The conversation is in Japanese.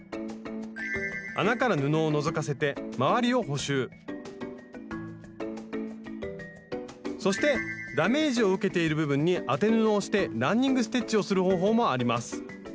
穴から布をのぞかせて周りを補修そしてダメージを受けている部分に当て布をしてランニング・ステッチをする方法もあります。